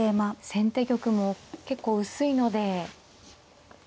先手玉も結構薄いので。